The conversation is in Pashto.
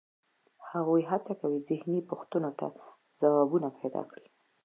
هغوی هڅه کوي ذهني پوښتنو ته ځوابونه پیدا کړي.